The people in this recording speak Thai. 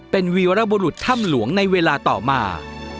เป็นวีรบุรุษถ้ำหลวงในเวลาต่อมา